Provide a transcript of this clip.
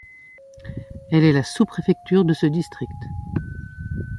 Elle est la sous-préfecture de ce district.